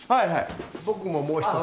僕ももう一つ。